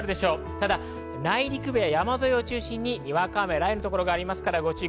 ただ内陸部や山沿いを中心に、にわか雨、雷雨のところがあります。